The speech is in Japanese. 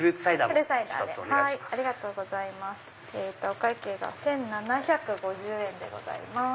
お会計１７５０円でございます。